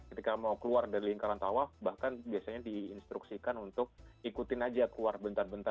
ketika mau keluar dari lingkaran tawaf bahkan biasanya di instruksikan untuk ikutin aja keluar bentar bentar